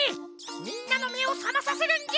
みんなのめをさまさせるんじゃ！